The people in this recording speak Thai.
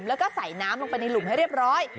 แล้วก็ใส่น้ำลงไปในหลุมให้เรียบร้อย